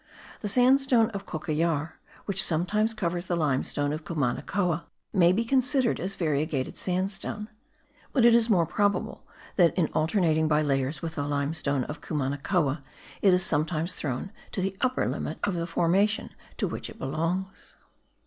The sandstone of Cocollar, which sometimes covers the limestone of Cumanacoa, may be considered as variegated sandstone; but it is more probable that in alternating by layers with the limestone of Cumanacoa, it is sometimes thrown to the upper limit of the formation to which it belongs.